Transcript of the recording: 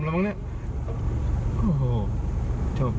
โอ้โห